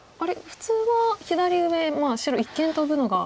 普通は左上白一間トブのが。